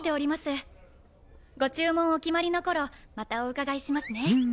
ご注文をお決まりの頃またお伺いしますね。